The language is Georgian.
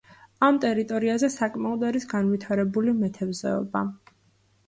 ამ ტერიტორიაზე საკმაოდ არის განვითარებული მეთევზეობა.